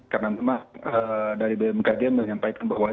karena memang dari bmkg menyampaikan bahwa